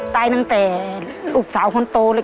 ตายตั้งแต่ลูกสาวของตรงนี้